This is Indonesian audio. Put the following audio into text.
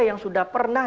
yang sudah pernah